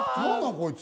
こいつ。